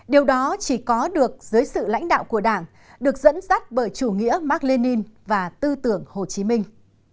điều đó chỉ có được dưới sự lãnh đạo của đảng được dẫn dắt bởi chủ nghĩa mark lenin và tư tưởng hồ chí minh